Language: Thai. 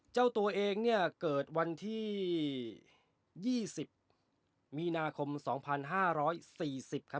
เจ้าตัวเองเนี้ยเกิดวันที่ยี่สิบมีนาคมสองพันห้าร้อยสี่สิบครับ